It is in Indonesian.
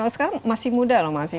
sekarang masih muda loh masih